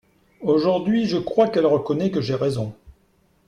Aujourd’hui, je crois qu’elle reconnaît que j’ai raison.